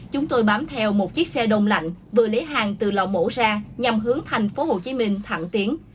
chúng tôi bám theo một chiếc xe đông lạnh vừa lấy hàng từ lò mổ ra nhằm hướng thành phố hồ chí minh thẳng tiến